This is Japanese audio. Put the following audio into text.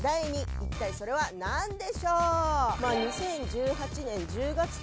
一体それはなんでしょう？